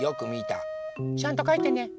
ちゃんとかいてね。